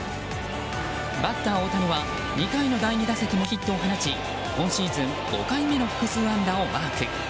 バッター大谷は２回の第２打席もヒットを放ち今シーズン５回目の複数安打をマーク。